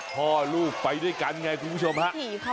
พ่อลูกไปด้วยกันไงคุณผู้ชมฮะ